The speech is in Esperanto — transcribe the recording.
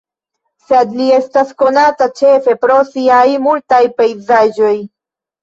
Sed li estas konata ĉefe pro siaj multaj pejzaĝoj.